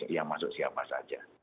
yang masuk siapa saja